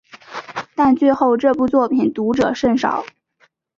但最后这部作品读者甚少。